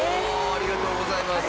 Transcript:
ありがとうございます！